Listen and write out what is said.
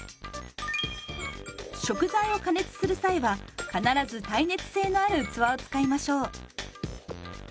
食材を加熱する際は必ず耐熱性のある器を使いましょう。